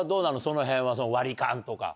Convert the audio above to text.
そのへんは割り勘とか。